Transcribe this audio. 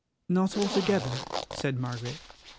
"Not altogether," said Margaret.